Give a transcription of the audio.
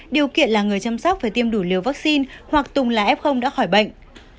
điều kiện là người chăm sóc phải tiêm đủ liều vaccine hoặc tùng là f đã khỏi bệnh